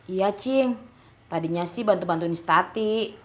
iya cing tadinya sih bantu bantuin si tati